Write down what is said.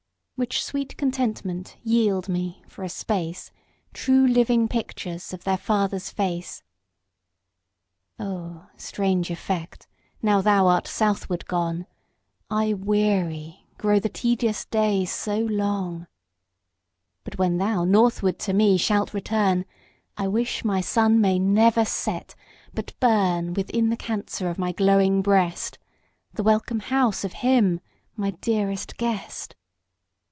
Which sweet contentment yield me for a space, True living pictures of their father's face. O strange effect! now thou art southward gone, I weary grow the tedious day so long; But when thou northward to me shalt return, I wish my Sun may never set, but burn Within the Cancer of my glowing breast, The welcome house of him my dearest guest.